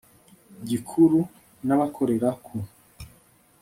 gikuru n abakorera ku